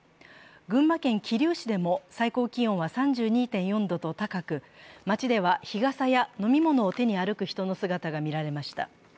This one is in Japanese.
群馬県桐生市でも最高気温は３２．４度と高く、街では日傘や飲み物を手に歩く人の姿が見られました。